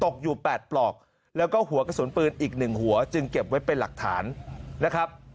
ตกอยู่๘ปลอกแล้วก็หัวกระสุนปืนอีก๑หัวจึงเก็บไว้เป็นหลักฐานนะครับ